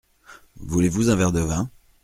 Voulez-vous un verre de vin ?